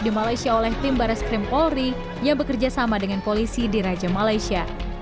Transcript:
di malaysia oleh tim barat skrimpori yang bekerja sama dengan polisi di raja malaysia